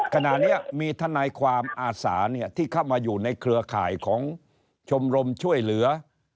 ขณะนี้อัธิริยะอยู่ในเครือข่ายของชมรมช่วยเหลือ